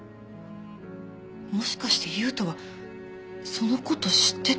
もしかして悠斗はその事知ってて？